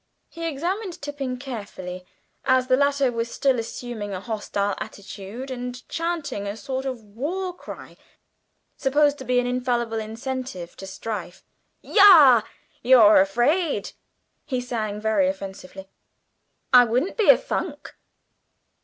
He examined Tipping carefully, as the latter was still assuming a hostile attitude and chanting a sort of war cry supposed to be an infallible incentive to strife. "Yah, you're afraid!" he sang very offensively. "I wouldn't be a funk!"